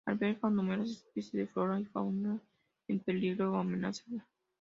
Alberga a numerosas especies de Flora y Fauna en peligro o amenazada.